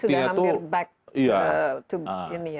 sudah hampir back to normal lagi ya